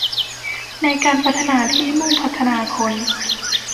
ในการพัฒนาที่มุ่งพัฒนาคน